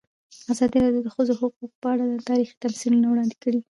ازادي راډیو د د ښځو حقونه په اړه تاریخي تمثیلونه وړاندې کړي.